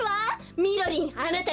みろりんあなた